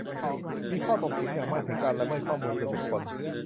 มีข้อถกเถียงอย่างมากถึงการละเมิดข้อมูลส่วนบุคคล